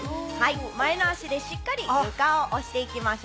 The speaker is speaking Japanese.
前の足でしっかり床を押して行きましょう。